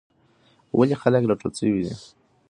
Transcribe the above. ولې خلک راټول شوي دي؟